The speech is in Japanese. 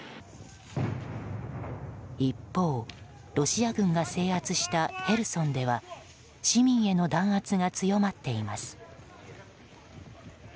一方、ロシア軍が制圧したヘルソンでは市民への弾圧が強まっています。